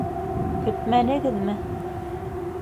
Көтмәнегеҙме?